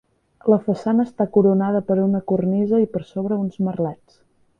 La façana està coronada per una cornisa i per sobre uns merlets.